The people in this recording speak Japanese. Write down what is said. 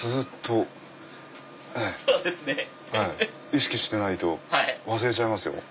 意識してないと忘れちゃいますよ。